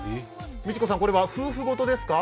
美智子さん、これは夫婦ごとですか？